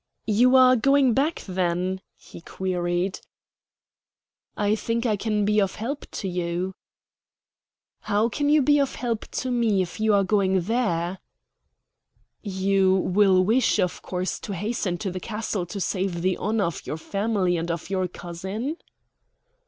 "You are going back, then?" he queried. "I think I can be of help to you." "How can you help me if you are going there?" "You will wish, of course, to hasten to the castle to save the honor of your family and of your cousin?"